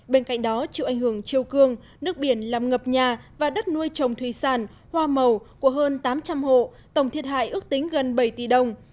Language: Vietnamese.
bên cạnh đó chịu ảnh hưởng chiều cương nước biển làm ngập nhà và đất nuôi trồng thủy sản hoa màu của hơn tám trăm linh hộ tổng thiệt hại ước tính gần bảy tỷ đồng